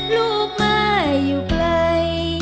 ลูกมาอยู่ใกล้